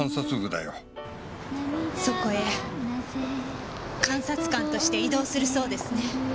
そこへ監察官として異動するそうですね。